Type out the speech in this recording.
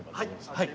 はい。